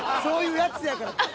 そういうやつやから。